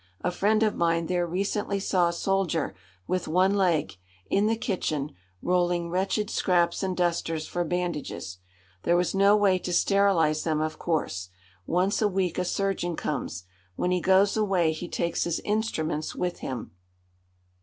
A friend of mine there recently saw a soldier with one leg, in the kitchen, rolling wretched scraps and dusters for bandages. There was no way to sterilise them, of course. Once a week a surgeon comes. When he goes away he takes his instruments with him.